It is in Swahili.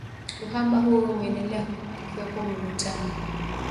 Uhaba huo umeendelea huku kukiwepo mivutano